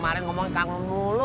makasih ya mas pur